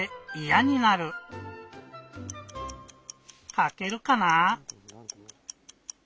かけるかなぁ？